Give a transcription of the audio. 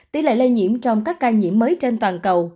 tỷ lệ lây nhiễm trong các ca nhiễm mới trên toàn cầu